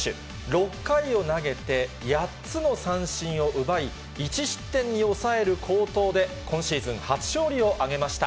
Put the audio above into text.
６回を投げて８つの三振を奪い、１失点に抑える好投で、今シーズン初勝利を挙げました。